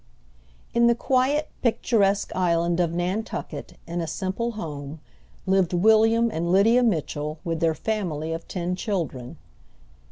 ] In the quiet, picturesque island of Nantucket, in a simple home, lived William and Lydia Mitchell with their family of ten children.